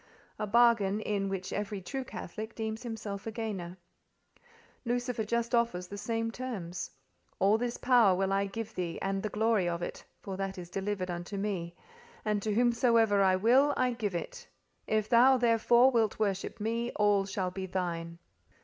A bargain, in which every true Catholic deems himself a gainer. Lucifer just offers the same terms: "All this power will I give thee, and the glory of it; for that is delivered unto me, and to whomsoever I will I give it. If thou, therefore, wilt worship me, all shall be thine!"